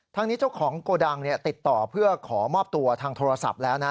ทางนี้เจ้าของโกดังติดต่อเพื่อขอมอบตัวทางโทรศัพท์แล้วนะ